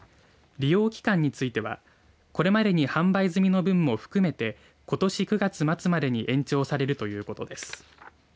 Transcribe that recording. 利用期間についてはこれまでに販売済みの分も含めてことし９月末までに延長されるということです。